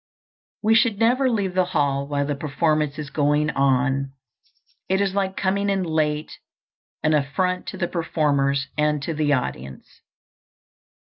We should never leave the hall while the performance is going on. It is, like coming in late, an affront to the performers and to the audience.